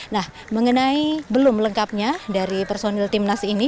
nah mengenai belum lengkapnya dari personil timnas ini